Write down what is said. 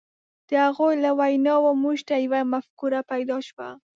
د هغوی له ویناوو موږ ته یوه مفکوره پیدا شوه.